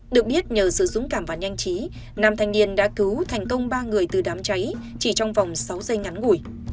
được biết nhờ sự dũng cảm và nhanh chí nam thanh niên đã cứu thành công ba người từ đám cháy chỉ trong vòng sáu giây ngắn ngủi